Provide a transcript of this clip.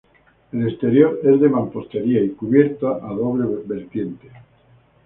El exterior es de mampostería y cubierta a doble vertiente.